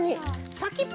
さきっぽ